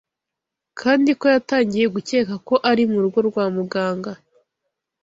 kandi ko yatangiye gukeka ko ari mu rugo rwa Muganga